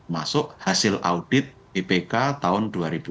masuk hasil audit bpk tahun dua ribu enam